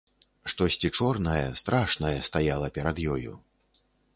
Штосьці чорнае, страшнае стаяла перад ёю.